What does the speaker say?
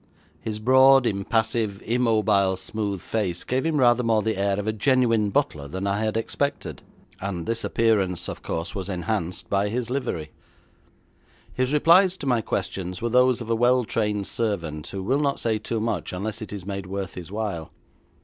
His broad, impassive, immobile smooth face gave him rather more the air of a genuine butler than I had expected, and this appearance, of course, was enhanced by his livery. His replies to my questions were those of a well trained servant who will not say too much unless it is made worth his while.